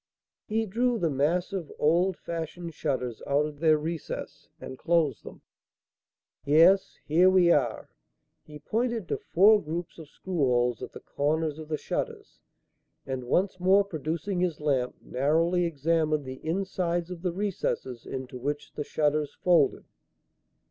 He drew the massive, old fashioned shutters out of their recess and closed them. "Yes, here we are." He pointed to four groups of screw holes at the corners of the shutters, and, once more producing his lamp, narrowly examined the insides of the recesses into which the shutters folded.